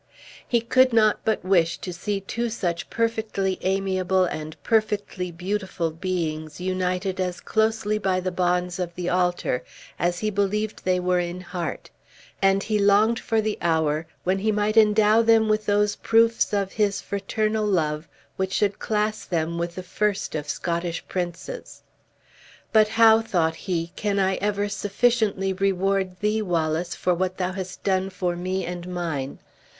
He could not but wish to see two such perfectly amiable and perfectly beautiful beings united as closely by the bonds of the altar as he believed they were in heart, and he longed for the hour when he might endow them with those proofs of his fraternal love which should class them with the first of Scottish princes. "But how," thought he, "can I ever sufficiently reward thee, Wallace, for what thou hast done for me and mine?